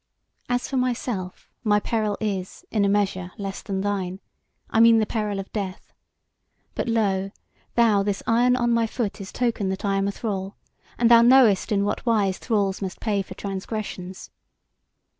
As for myself, my peril is, in a measure, less than thine; I mean the peril of death. But lo, thou, this iron on my foot is token that I am a thrall, and thou knowest in what wise thralls must pay for transgressions.